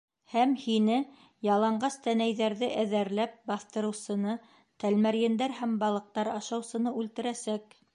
Һәм һине — яланғас тәнәйҙәрҙе эҙәрләп баҫтырыусыны, тәлмәрйендәр һәм балыҡтар ашаусыны — үлтерәсәк.